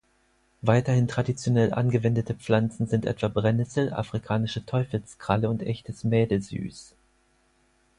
Weiterhin traditionell angewendete Pflanzen sind etwa Brennnessel, afrikanische Teufelskralle und Echtes Mädesüß.